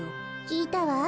きいたわ。